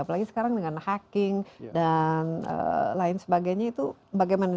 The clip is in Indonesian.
apalagi sekarang dengan hacking dan lain sebagainya itu bagaimana